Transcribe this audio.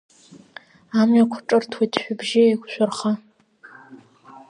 Амҩақәа ҿырҭуеит шәыбжьы еиқәшәырха.